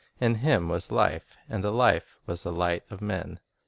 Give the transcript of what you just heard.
"In Him was life; and the life was the light of men."